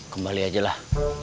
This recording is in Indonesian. kembali aja lah